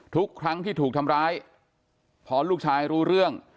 ทุกครั้งที่ถูกทำร้ายพอลูกชายรู้เรื่อง